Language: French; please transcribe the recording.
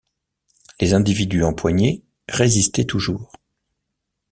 Les individus empoignés résistaient toujours.